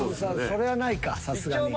それはないかさすがに。